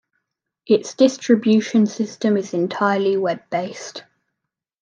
Its distribution system is entirely web-based.